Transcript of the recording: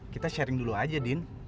kita sharing dulu aja din